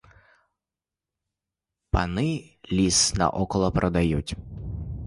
Пани ліс на око продають.